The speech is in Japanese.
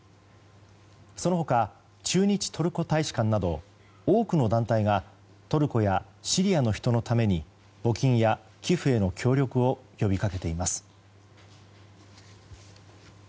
その他、駐日トルコ大使館など多くの団体がトルコやシリアの人のために募金や寄付への協力を呼び掛けています。